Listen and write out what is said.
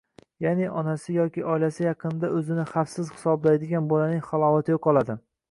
yaʼni onasi yoki oilasi yaqinida o‘zini xavfsiz hisoblaydigan bolaning halovati yo‘qoladi.